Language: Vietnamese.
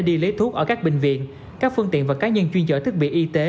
đi lấy thuốc ở các bệnh viện các phương tiện và cá nhân chuyên trợ thức bị y tế